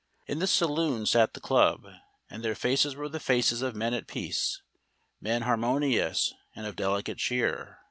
In the saloon sat the club, and their faces were the faces of men at peace, men harmonious and of delicate cheer.